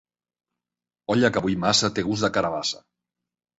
Olla que bull massa té gust de carabassa.